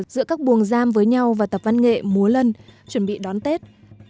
giữa các buồng giam với nhau và tập văn nghệ múa lân chuẩn bị đón tết